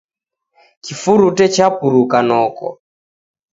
Kifurute chapuruka noko.